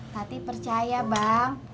tati percaya bang